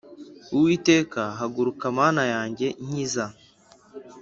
Uwiteka haguruka Mana yanjye nkiza